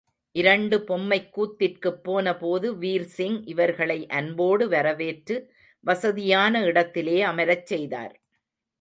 இரண்டு பொம்மைக்கூத்திற்குப் போனபோது வீர்சீங் இவர்களை அன்போடு வரவேற்று, வசதியான இடத்திலே அமரச் செய்தார்.